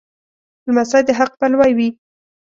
لمسی د حق پلوی وي.